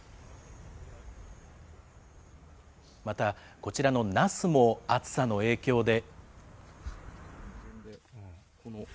またこちらのナスも暑さの影響で。